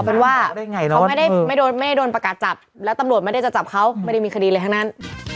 เป็นว่าเขาไม่ได้โดนประกาศจับแล้วตำรวจไม่ได้จะจับเขาไม่ได้มีคดีอะไรทั้งนั้น